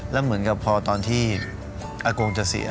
แล้วเหมือนกับพอตอนที่อากงจะเสีย